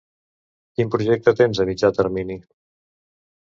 Quin projecte tens a mitjà termini?